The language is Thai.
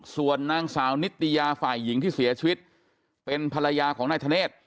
ส่วนนางสาวนิตยาฝ่ายหญิงที่เสียชีวิตเป็นภรรยาของนายธเนธ